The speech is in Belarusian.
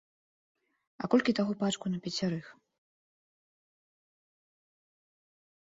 А колькі таго пачку на пяцярых?